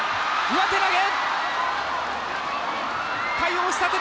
上手投げ。